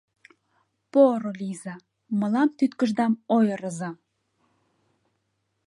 Поро лийза, мылам тӱткышдам ойырыза…